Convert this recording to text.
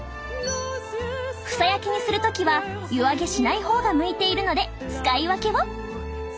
房焼きにする時は湯揚げしない方が向いているので使い分けを。